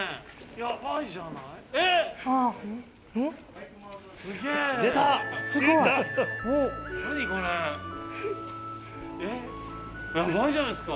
やばいじゃないですか。